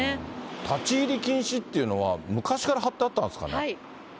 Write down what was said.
立ち入り禁止っていうのは、昔から貼ってあったんですかね？